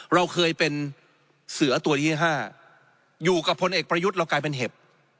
เราเคยเป็นเสือตัวที่๕อยู่กับพลเอกประยุทธ์เรากลายเป็นเห็บ